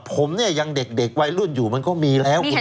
ผมเนี่ยยังเด็กวัยรุ่นอยู่มันก็มีแล้ว